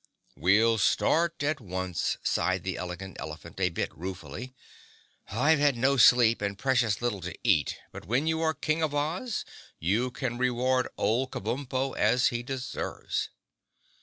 "We'll start at once," sighed the Elegant Elephant a bit ruefully. "I've had no sleep and precious little to eat but when you are King of Oz you can reward old Kabumpo as he deserves."